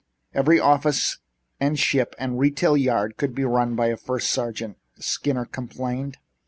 "Every office and ship and retail yard could be run by a first sergeant," Skinner complained.